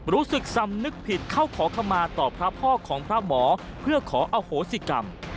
รู้สึกสำนึกผิดเข้าขอขมาต่อพระพ่อของพระหมอเพื่อขออโหสิกรรม